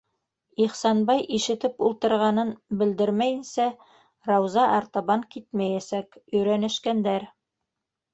- Ихсанбай ишетеп ултырғанын белдермәйенсә, Рауза артабан китмәйәсәк - өйрәнешкәндәр.